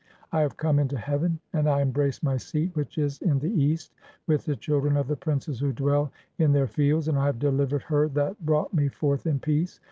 I have come into heaven, and I embrace my seat which "is in the East with the children of the princes who dwell "(18) in [their] fields, and I have delivered her that brought "me forth in peace.